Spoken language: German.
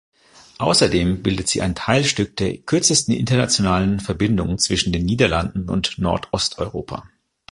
Außerdem bildet sie ein Teilstück der kürzesten internationalen Verbindung zwischen den Niederlanden und Nordosteuropa.